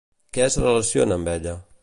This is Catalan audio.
Què es relaciona amb ella?